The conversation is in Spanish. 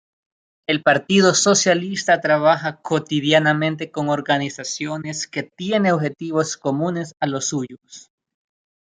El Partido Socialista trabaja cotidianamente con organizaciones que tiene objetivos comunes a los suyos.